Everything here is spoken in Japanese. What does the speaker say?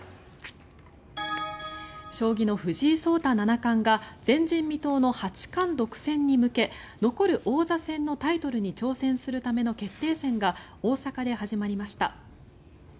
将棋の藤井聡太七冠が前人未到の八冠独占に向け残る王座戦のタイトルに挑戦するための決定戦が大阪で始まりました。